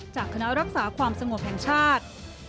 จากคณะรักษาความสงบแห่งชาติ